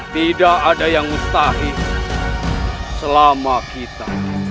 tidak ada yang mustahi selama kita